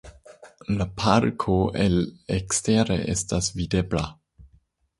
La parko el ekstere estas videbla.